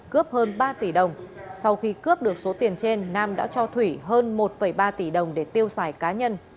cướp hơn ba tỷ đồng sau khi cướp được số tiền trên nam đã cho thủy hơn một ba tỷ đồng để tiêu xài cá nhân